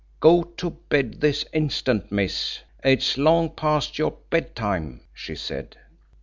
"Go to bed this instant, miss; it's long past your bedtime," she said.